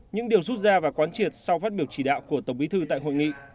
những điều rút ra và quán triệt sau phát biểu chỉ đạo của tổng bí thư tại hội nghị